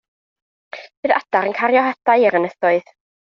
Bydd adar yn cario hadau i'r ynysoedd.